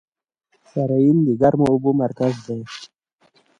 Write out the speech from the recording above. سرعین د ګرمو اوبو مرکز دی.